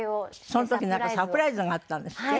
その時なんかサプライズがあったんですって？